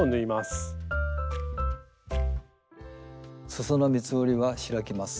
すその三つ折りは開きます。